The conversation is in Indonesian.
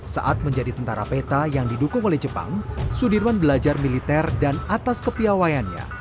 saat menjadi tentara peta yang didukung oleh jepang sudirman belajar militer dan atas kepiawayannya